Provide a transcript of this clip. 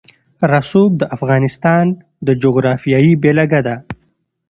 رسوب د افغانستان د جغرافیې بېلګه ده.